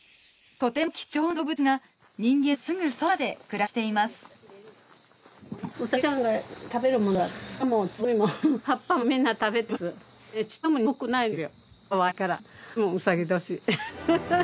とても貴重な動物が人間のすぐそばで暮らしています。